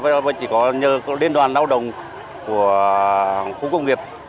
và chỉ có nhờ liên đoàn lao động của khu công nghiệp